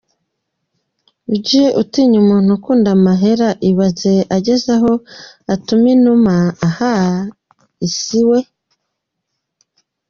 Ujye utinya umuntu ukunda amahera ibaze ageze aho atuma inuma ahaaaa isiwe.